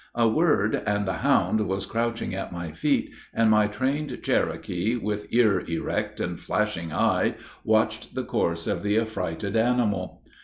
A word, and the hound was crouching at my feet, and my trained Cherokee, with ear erect, and flashing eye, watched the course of the affrighted animal.